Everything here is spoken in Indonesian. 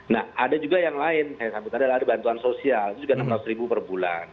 nah ada juga yang lain saya sambut adalah ada bantuan sosial itu juga rp enam ratus ribu per bulan